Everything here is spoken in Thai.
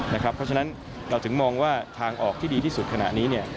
เพราะฉะนั้นเราถึงมองว่าทางออกที่ดีที่สุดขณะนี้